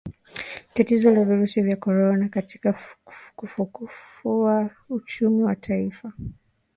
tatizo la virusi vya korona katika kufufua uchumi wa taifa